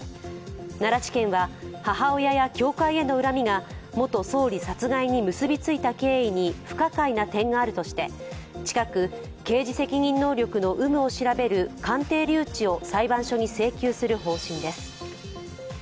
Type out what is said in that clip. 奈良地検は、母親や教会への恨みが元総理殺害に結びついた経緯に不可解な点があるとして近く刑事責任能力の有無を調べる鑑定留置を裁判所に請求する方針です。